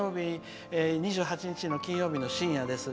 ２８日の金曜日の深夜です。